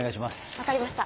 分かりました。